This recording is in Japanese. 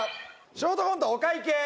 ショートコントお会計。